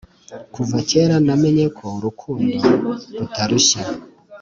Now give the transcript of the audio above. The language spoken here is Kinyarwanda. kuva kera namenyeko urukundo rutarushya